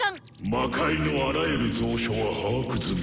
魔界のあらゆる蔵書は把握済みだ。